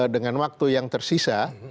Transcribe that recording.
dengan waktu yang tersisa